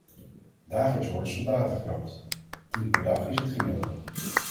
Dagelijks worden soldaten gedood, tien per dag is het gemiddelde.